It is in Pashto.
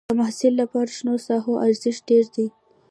د محصل لپاره شنو ساحو ارزښت ډېر دی.